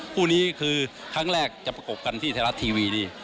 คู่นี้คือครั้งแรกจะประกบกันที่ไทยรัฐทีวีนี่